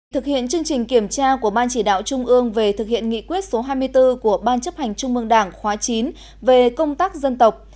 thực hiện chương trình kiểm tra của ban chỉ đạo trung ương về thực hiện nghị quyết số hai mươi bốn của ban chấp hành trung mương đảng khóa chín về công tác dân tộc